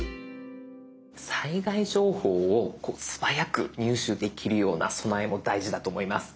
災害情報を素早く入手できるような備えも大事だと思います。